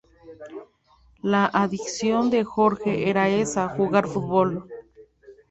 La adicción de Jorge era esa: jugar futbol.